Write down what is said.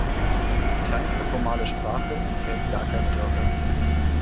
Die kleinste formale Sprache enthält gar keine Wörter.